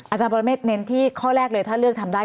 อาจารย์ปรเมฆเน้นที่ข้อแรกเลยถ้าเลือกทำได้